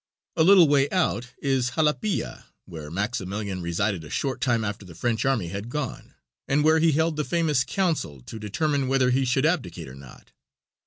A little way out is Jalapilla, where Maximilian resided a short time after the French army had gone, and where he held the famous council to determine whether he should abdicate or not.